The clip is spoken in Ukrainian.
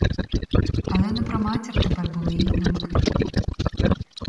Але не про матір тепер були її думки.